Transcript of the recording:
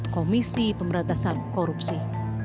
komisi pemberantasan korupsi